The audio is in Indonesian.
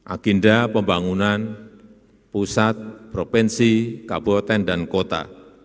agenda pembangunan pusat provinsi kabupaten dan kota